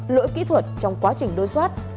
lỗi kỹ thuật trong quá trình đối soát